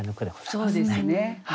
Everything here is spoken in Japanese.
そうですね。